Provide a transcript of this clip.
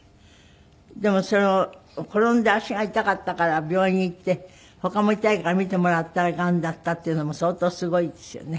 でも転んで足が痛かったから病院に行って他も痛いから診てもらったらがんだったっていうのも相当すごいですよね。